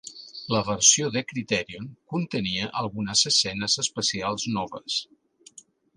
La versió de Criterion contenia algunes escenes especials noves.